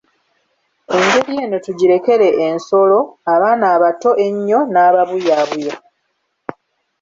Engeri eno tugirekere ensolo, abaana abato ennyo n'ababuyaabuya.